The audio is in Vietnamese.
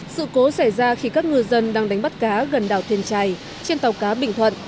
sự cố xảy ra khi các ngư dân đang đánh bắt cá gần đảo thiên trài trên tàu cá bình thuận